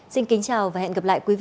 xin kính chào và hẹn gặp lại quý vị